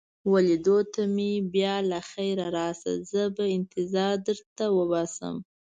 وه لیدو ته مې بیا له خیره راشه، زه به انتظار در وباسم.